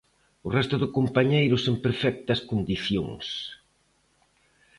O resto de compañeiros en perfectas condicións.